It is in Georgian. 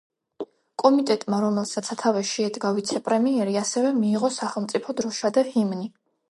კომიტეტმა, რომელსაც სათავეში ედგა ვიცე-პრემიერი, ასევე მიიღო სახელმწიფო დროშა და ჰიმნი.